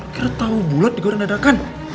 kira tau bulet digoreng dadakan